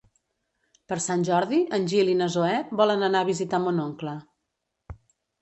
Per Sant Jordi en Gil i na Zoè volen anar a visitar mon oncle.